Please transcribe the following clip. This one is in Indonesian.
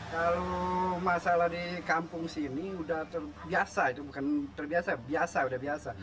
kalau masalah di kampung sini udah terbiasa itu bukan terbiasa biasa udah biasa